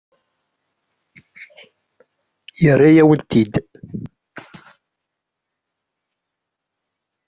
Yerra-yawen-tt-id.